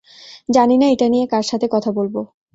জানি না এটা নিয়ে কার সাথে কথা বলব।